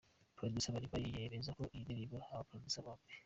Producer Mariva yemeza ko iyi ndirimbo aba ba producer bombi.